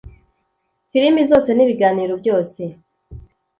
Filimi zose n ibiganiro byose